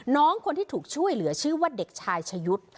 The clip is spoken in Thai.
น้องคนที่ถูกช่วยเหลือชื่อว่าเด็กชายชะยุทธ์